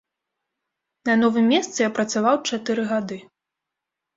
На новым месцы я працаваў чатыры гады.